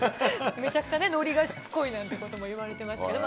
めちゃくちゃね、のりがしつこいなんていうことも言われていますけれども。